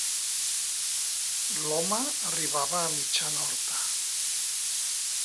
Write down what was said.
L'home arribava a mitjan horta.